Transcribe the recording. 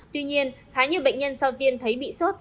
tuy nhiên khá nhiều bệnh nhân sau tiên thấy bị sốt